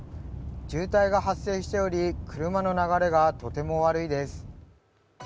渋滞が発生しており車の流れがとても悪いです。